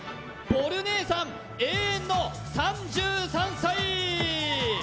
ボル姉さん永遠の３３歳！